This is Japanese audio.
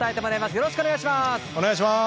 よろしくお願いします。